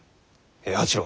平八郎。